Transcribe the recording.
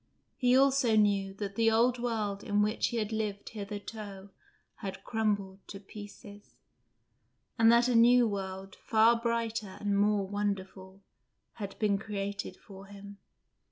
He also knew that the old world in which he had lived hitherto had crumbled to pieces; and that a new world, far brighter and more wonderful, had been created for him.